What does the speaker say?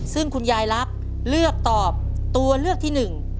ซึ่งคุณยายลักษณ์เลือกตอบตัวเลือกที่หนึ่ง